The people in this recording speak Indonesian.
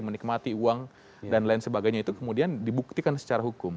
menikmati uang dan lain sebagainya itu kemudian dibuktikan secara hukum